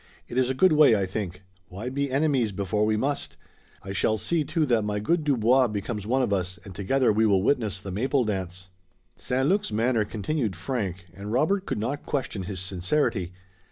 "It is a good way, I think. Why be enemies before we must? I shall see, too, that my good Dubois becomes one of us, and together we will witness the Maple Dance." St. Luc's manner continued frank, and Robert could not question his sincerity.